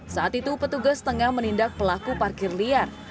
saat itu petugas tengah menindak pelaku parkir liar